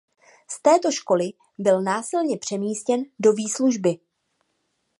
Z této školy byl násilně přemístěn do výslužby.